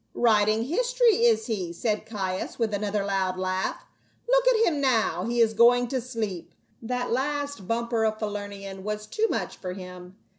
"Writing history, is he?" said Caius, with another loud laugh. " Look at him now, he is going to sleep ; that last bumper of Falernian was too much for him.